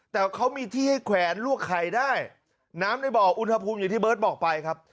แต่เขามีที่ให้แขวนลวกไข่ได้น้ำในบ่ออุณหภูมิอย่างที่เบิร์ตบอกไปครับ